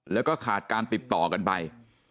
แล้วก็ขาดการติดต่อกันไป